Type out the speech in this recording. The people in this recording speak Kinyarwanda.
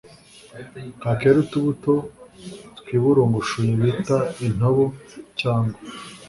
kakera utubuto twiburungushuye bita intobo cyangwa